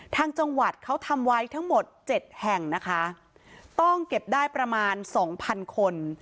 ทางจังหวัดเขาทำไว้ทั้งหมดเจ็ดแห่งนะคะต้องเก็บได้ประมาณสองพันคน